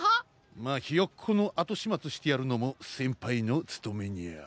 まあひよっこのあとしまつしてやるのもせんぱいのつとめニャ。